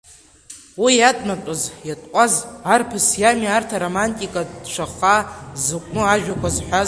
Уи иатәнатәыз, иатҟәаз, арԥыс иами арҭ аромантикатә цәа-хаа зыҟәну ажәақәа зҳәаз…